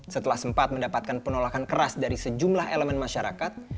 setelah sempat mendapatkan penolakan keras dari sejumlah elemen masyarakat